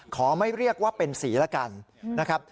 ขอไม่เรียกว่าเป็นสีละกันนะครับ